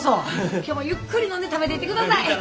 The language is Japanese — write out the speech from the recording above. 今日はゆっくり飲んで食べていってください。